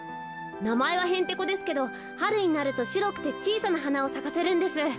なまえはへんてこですけどはるになるとしろくてちいさなはなをさかせるんです。